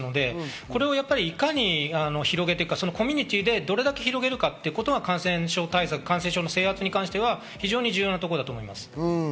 これをいかに広げてコミュニティーでどれだけ広げるかということが感染症対策、感染症の制圧に関して重要なところです。